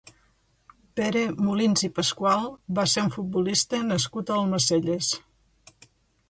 Pere Molins i Pascual va ser un futbolista nascut a Almacelles.